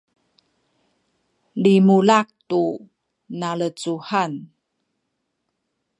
limulak tu nalecuhan